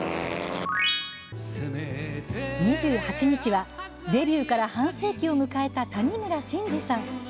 ２８日は、デビューから半世紀を迎えた谷村新司さん。